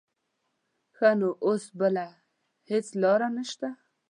ښه نو اوس بله هېڅ لاره نه شته.